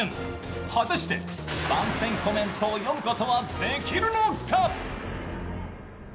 果たして、番宣コメントを読むことはできるのか！？